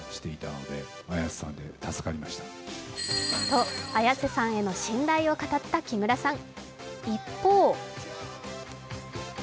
と綾瀬さんへの信頼を語った木村さん。